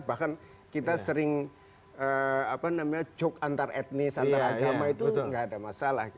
bahkan kita sering joke antar etnis antar agama itu nggak ada masalah